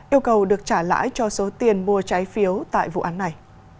yêu cầu được trả lãi cho số tiền mua trái phiếu tại vụ án này